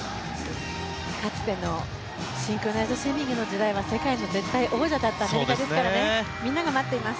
かつてのシンクロナイズドスイミングの時代は世界の絶対王者だったアメリカですからみんなが待っています。